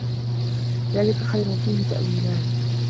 ذَلِكَ خَيْرٌ فِيهِ تَأْوِيلَانِ